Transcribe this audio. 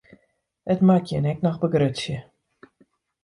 It moat jin ek noch begrutsje.